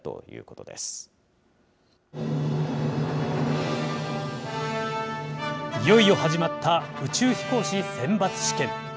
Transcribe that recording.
いよいよ始まった宇宙飛行士選抜試験。